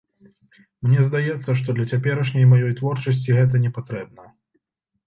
Мне здаецца, што для цяперашняй маёй творчасці гэта не патрэбна.